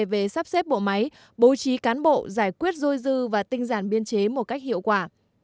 về sắp xếp bộ máy bố trí cán bộ giải quyết dôi dư và tinh giản biên chế một cách hiệu quả